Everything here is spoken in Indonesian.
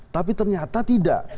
tapi ternyata tidak